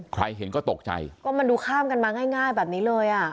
ใครเห็นก็ตกใจก็มันดูข้ามกันมาง่ายแบบนี้เลยอ่ะ